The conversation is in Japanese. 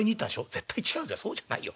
「絶対違うそうじゃないよ。